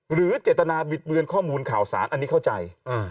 หรือเจตนาบิดเบือนข้อมูลข่าวสารอันนี้เข้าใจ